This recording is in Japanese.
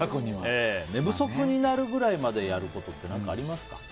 寝不足になるぐらいまでやることって何かありますか？